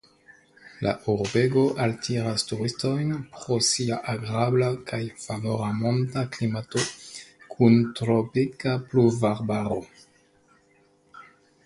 La urbego altiras turistojn pro sia agrabla kaj favora monta klimato kun tropika pluvarbaro.